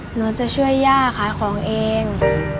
หนูจะช่วยย่าขายของเอง